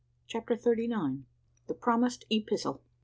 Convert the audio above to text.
CHAPTER THIRTY NINE. THE PROMISED EPISTLE.